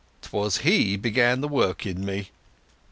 'Twas he began the work in me."